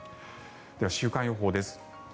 では、週間予報です。